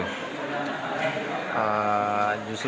urusan birokrasi ya